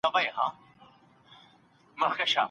ایا ږیره لرونکی سړی به ډوډۍ او مڼه راوړي؟